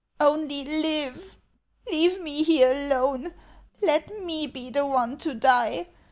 Only live ! Leave me here alone : let me he the one to die.